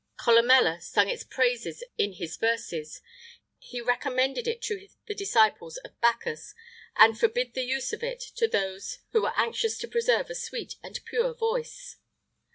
[IX 98] Columella sung its praise in his verses; he recommended it to the disciples of Bacchus, and forbid the use of it to those who were anxious to preserve a sweet and pure voice.